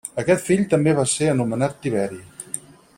Aquest fill també va ser anomenat Tiberi.